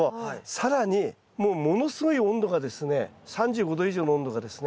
更にもうものすごい温度がですね３５度以上の温度がですね